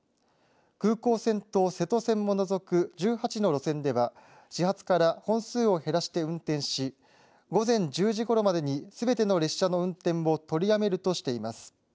空港線と瀬戸線を除く１８の路線では始発から本数を減らして運転し午前１０時ごろまでにすべての列車の運転を取りやめるとしています。